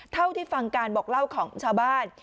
เท่าที่ฟังการบอกเล่าของชาวบ้าน